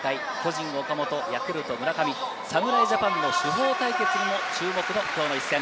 巨人・岡本、ヤクルト・村上、侍ジャパンの主砲対決も注目の一戦。